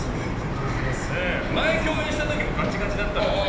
前、共演した時もガチガチだったんですよ。